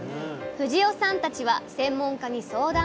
藤尾さんたちは専門家に相談。